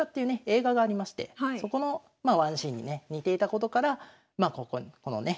映画がありましてそこのワンシーンにね似ていたことからこのね